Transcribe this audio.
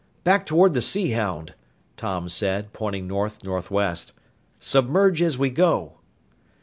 "Back toward the Sea Hound," Tom said, pointing north northwest. "Submerge as we go!"